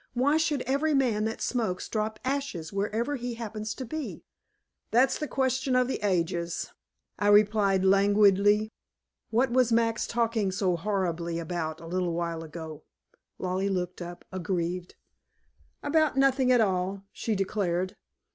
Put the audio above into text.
Why should every man that smokes drop ashes wherever he happens to be?" "That's the question of the ages," I replied languidly. "What was Max talking so horribly about a little while ago?" Lollie looked up aggrieved. "About nothing at all," she declared.